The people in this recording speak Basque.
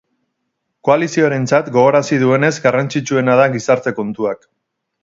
Koalizioarentzat, gogorarazi duenez, garrantzitsuena da gizarte-kontuak.